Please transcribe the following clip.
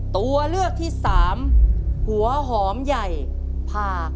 ตัวเลือกที่สามหัวหอมใหญ่ผ่า